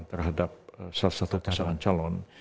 terhadap salah satu pasangan calon